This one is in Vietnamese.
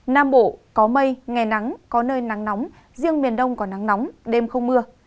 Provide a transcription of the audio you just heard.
nam bộ có mây ngày nắng có nơi nắng nóng riêng miền đông có nắng nóng đêm không mưa